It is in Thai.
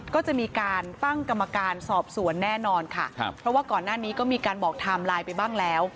ก็จะมีการตั้งกรรมการสอบสวนแน่นอนค่ะครับเพราะว่าก่อนหน้านี้ก็มีการบอกไทม์ไลน์ไปบ้างแล้ว